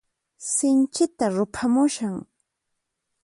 Sinchita ruphamushan.